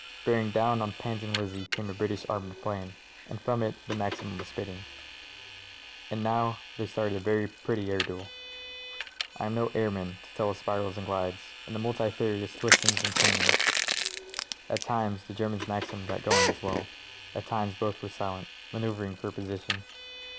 Bearing down on Panting Lizzie came a British ar moured 'plane, and from it the Maxim was spitting. And now there started a very pretty air duel. I am no airman, to tell of spirals, and glides, and the multi farious twistings and turnings. At times the Ger man's Maxim got going as well; at times both were silent, manoeuvring for position.